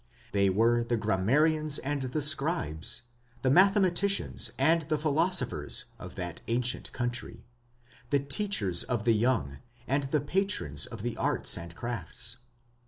They were the grammarians and the scribes, the mathematicians and the philosophers of that ancient country, the teachers of the young, and the patrons of the arts and crafts.